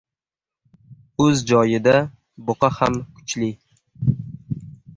• O‘z joyida buqa ham kuchli.